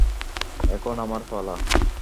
এখন আমার পালা।